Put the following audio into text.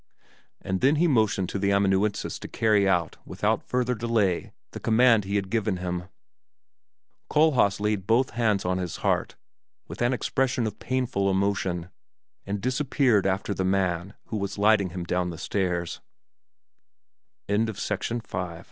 And then he motioned to the amanuensis to carry out, without further delay, the command he had given him. Kohlhaas laid both hands on his heart with an expression of painful emotion, and disappeared after the man who was lighting him down the